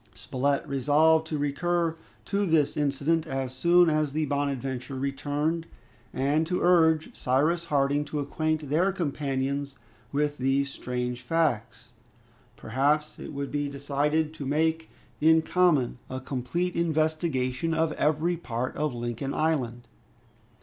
Spilett resolved to recur to this incident as soon as the "Bonadventure" returned, and to urge Cyrus Harding to acquaint their companions with these strange facts. Perhaps it would be decided to make in common a complete investigation of every part of Lincoln Island.